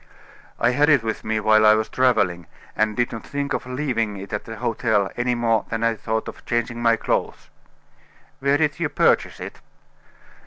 "I had it with me while I was traveling, and did not think of leaving it at the hotel any more than I thought of changing my clothes." "Where did you purchase it?"